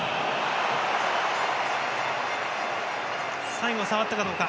最後、触ったかどうか。